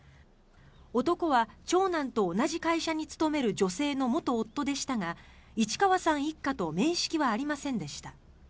男は長男と同じ会社に勤める女性の元夫でしたが市川さん一家と面識はありませんでした。